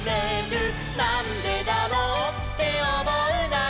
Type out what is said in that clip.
「なんでだろうっておもうなら」